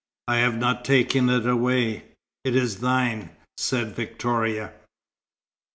"I have not taken it away. It is thine," said Victoria.